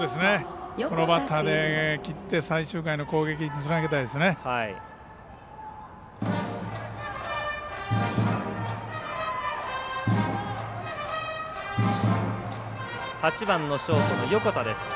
このバッターで切って最終回の攻撃につなぎたいですね。